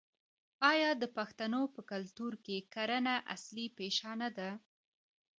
آیا د پښتنو په کلتور کې کرنه اصلي پیشه نه ده؟